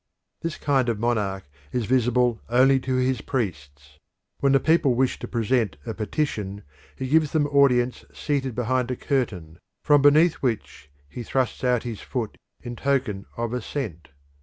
This kind of monarch is visible only to his priests. When the people wish to present a petition he gives them audience seated behind a curtain, from beneath which he thrusts out his foot in token of assent.